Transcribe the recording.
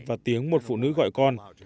và tiếng một phụ nữ gọi con